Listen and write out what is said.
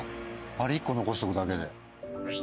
あれ１個残しておくだけで。